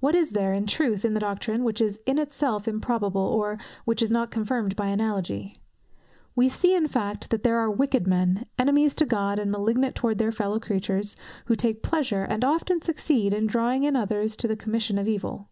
What is there, in truth, in the doctrine, which is in itself improbable, or which is not confirmed by analogy? We see, in fact, that there are wicked men, enemies to God, and malignant towards their fellow creatures, who take pleasure, and often succeed, in drawing in others to the commission of evil.